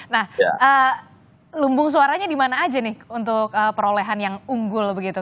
nah lumbung suaranya di mana aja nih untuk perolehan yang unggul begitu